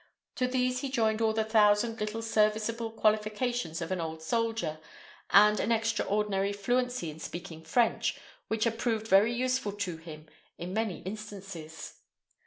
To these he joined all the thousand little serviceable qualifications of an old soldier, and an extraordinary fluency in speaking French, which had proved very useful to him in many instances.